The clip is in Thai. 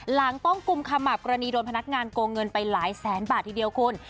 หลังต้องกุมขมับกรณีโดนพนักงานโกงเงินไปหลายแสนบาททีเดียวคุณ